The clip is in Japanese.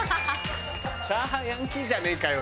「チャーハンヤンキーじゃねえかよ！」